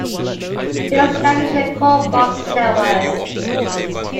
He established a call box network.